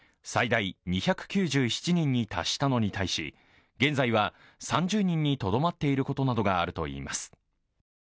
最大２９７人に達したのに際し、現在は３０人にとどまっていることなどがあるといいます。